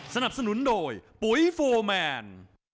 สนับสนุนโดยปุ๋ยโฟร์แมน